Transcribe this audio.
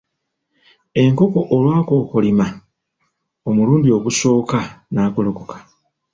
Enkoko olwakokolima omulundi ogusooka n'agolokoka.